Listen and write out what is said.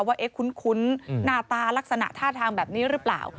ว่าคุ้นหน้าตาลักษณะท่าทางแบบนี้หรือเปล่า